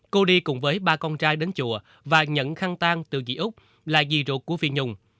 cô đi cùng với ba con trai đến chùa và nhận khăn tan từ dị úc là dì ruột của phi nhung